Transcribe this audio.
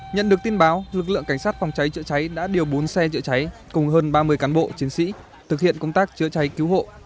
nhận được tin báo lực lượng cảnh sát phòng cháy chữa cháy đã điều bốn xe chữa cháy cùng hơn ba mươi cán bộ chiến sĩ thực hiện công tác chữa cháy cứu hộ